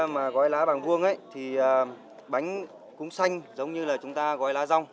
mà gói lá vàng vuông ấy thì bánh cũng xanh giống như là chúng ta gói lá rong